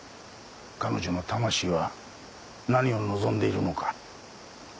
彼女の魂は何を望んでいるのか。